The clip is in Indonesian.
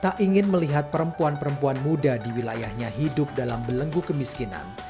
tak ingin melihat perempuan perempuan muda di wilayahnya hidup dalam belenggu kemiskinan